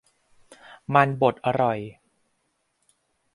มันบดอร่อย